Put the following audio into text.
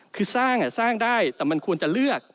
คือสร้างสร้างได้แต่มันควรจะเลือก